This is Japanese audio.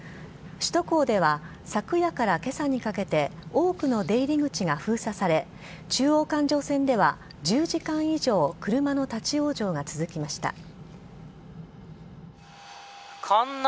首都高では昨夜から今朝にかけて多くの出入り口が封鎖され中央環状線では１０時間以上車の立ち往生が続きました。